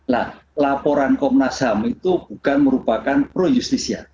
nah laporan komnas ham itu bukan merupakan pro justisia